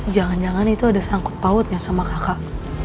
jangan jangan itu ada sangkut pautnya sama kakak